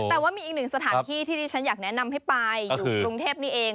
แต่ว่ามีอีกหนึ่งสถานที่ที่ดิฉันอยากแนะนำให้ไปอยู่กรุงเทพนี่เอง